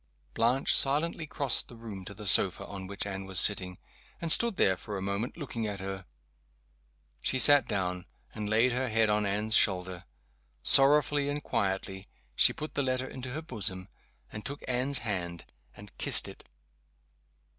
_" Blanche silently crossed the room to the sofa on which Anne was sitting, and stood there for a moment, looking at her. She sat down, and laid her head on Anne's shoulder. Sorrowfully and quietly, she put the letter into her bosom and took Anne's hand, and kissed it.